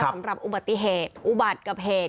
สำหรับอุบัติเหตุอุบัติกับเหตุ